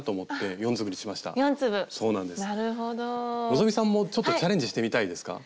希さんもちょっとチャレンジしてみたいですか？